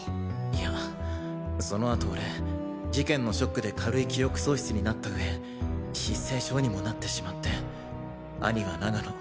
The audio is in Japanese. いやそのあと俺事件のショックで軽い記憶喪失になった上失声症にもなってしまって兄は長野